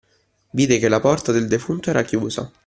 Vide che la porta del defunto era chiusa.